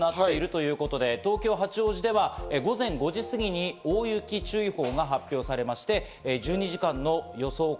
東京・八王子では午前５時すぎに大雪注意報が発表されまして、１２時間の予想